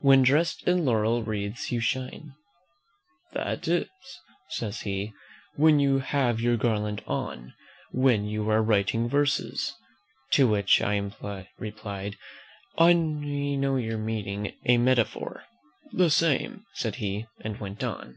"'When dressed in laurel wreaths you shine,' "That is," says he, "when you have your garland on; when you are writing verses." To which I replied, "I know your meaning: a metaphor!" "The same," said he, and went on.